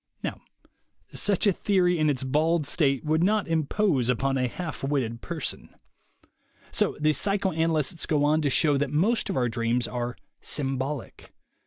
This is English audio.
Now such a theory in its bald state would not impose upon a half witted person. So the psycho 88 THE WAY TO WILL POWER analysts go on to show that most of our dreams are "symbolic."